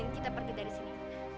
dan kita pergi dari sini